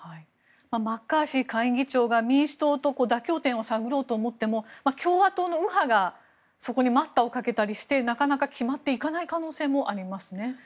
マッカーシー下院議長が民主党と妥協点を探ろうと思っても共和党の右派がそこに待ったをかけたりしてなかなか決まっていかない可能性もありますね。